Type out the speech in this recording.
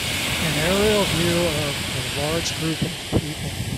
An aerial view of a large group of people